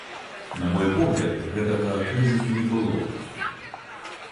На мой погляд, гэтага крызісу не было.